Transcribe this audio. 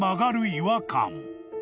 ［違和感］